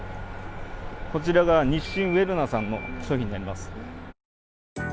こちらが日清ウェルナさんの商品になります。